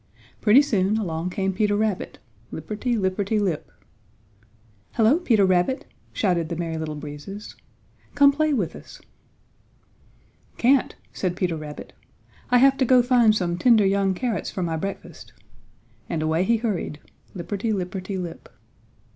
Pretty soon along came Peter Rabbit, lipperty lipperty lip. "Hello, Peter Rabbit!" shouted the Merry Little Breezes. "Come play with us!" "Can't," said Peter Rabbit. "I have to go find some tender young carrots for my breakfast," and away be hurried, lipperty lipperty lip.